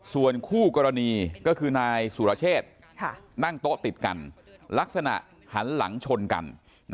ส่วนคู่กรณีก็คือนายสุรเชษนั่งโต๊ะติดกันลักษณะหันหลังชนกัน